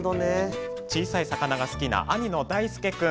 小さい魚が好きな兄の大輔君。